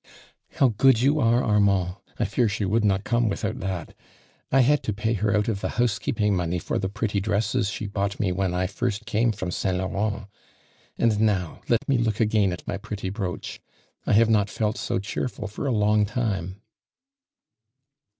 " How good you are, Armand ! I fear she would not come without that. I had to f)ay her out of the house keeping money or the pretty dresses she bought me when I first came from St. Laurent. And now let me look again at my pretty brooch. I have not felt so cheerful for a long time.